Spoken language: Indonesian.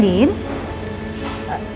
observasi chelsea tiga tahun kapten ruby